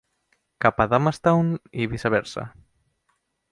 Cap a Damastown i viceversa.